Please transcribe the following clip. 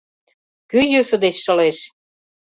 Кӧ йӧсӧ деч шылеш